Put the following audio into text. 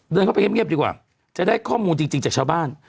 เดินเข้าไปเงียบดีกว่าจะได้ข้อมูลจริงจากชาวบ้าน